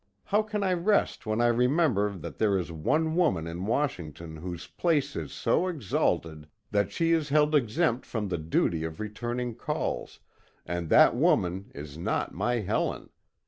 How can I rest when I remember that there is one woman in Washington whose place is so exalted that she is held exempt from the duty of returning calls, and that woman is not my Helen!